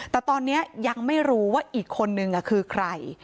แต่ตอนนี้ยังไม่รู้ว่าอีกคนนึงคือใคร